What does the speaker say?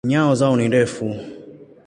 Nyayo zao ni ndefu.